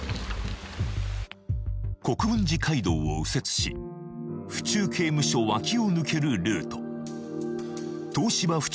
国分寺街道を右折し府中刑務所脇を抜けるルート東芝府中